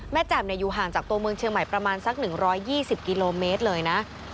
แจ่มอยู่ห่างจากตัวเมืองเชียงใหม่ประมาณสัก๑๒๐กิโลเมตรเลยนะ